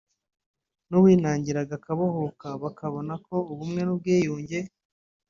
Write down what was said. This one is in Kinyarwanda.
n’uwinangiraga akabohoka bakabonako ubumwe n’ubwiyunge”